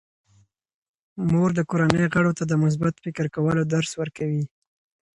مور د کورنۍ غړو ته د مثبت فکر کولو درس ورکوي.